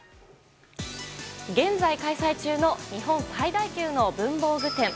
現在、開催中の日本最大級の文房具展。